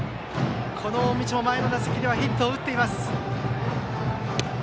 この大道も前の打席ではヒットを打っています。